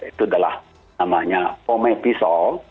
itu adalah namanya pomepisol